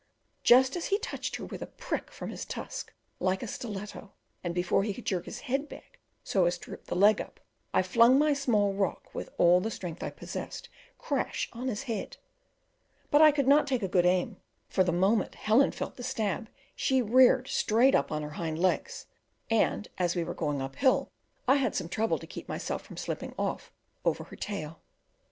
Just as he touched her with a prick from his tusk like a stiletto and before he could jerk his head back so as to rip the leg up, I flung my small rock with all the strength I possessed crash on his head: but I could not take a good aim; for the moment Helen felt the stab, she reared straight up on her hind legs, and as we were going up hill, I had some trouble to keep myself from slipping off over her tail.